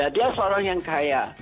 dia seorang yang kaya